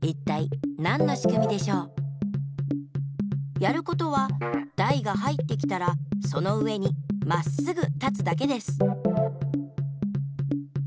やることはだいが入ってきたらその上にまっすぐ立つだけです。